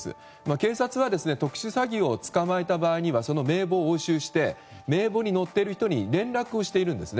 警察は特殊詐欺を捕まえた場合にはその名簿を押収して名簿に載っている人に連絡をしているんですね。